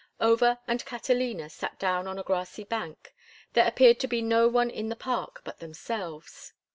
Over and Catalina sat down on a grassy bank. There appeared to be no one in the park but themselves.